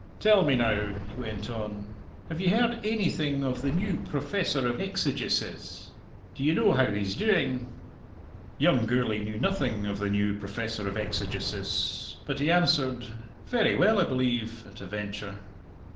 Tell me now," he went on, "have ye heard ainything of the new Professor of Exegesis? D'ye know how he's doing?" Young Gourlay knew nothing of the new Professor of Exegesis, but he answered, "Very well, I believe," at a venture.